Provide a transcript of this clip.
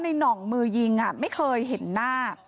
หน่องมือยิงไม่เคยเห็นหน้า